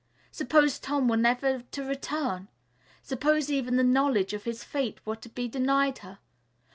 Suppose Tom were never to return? Suppose even the knowledge of his fate were to be denied her?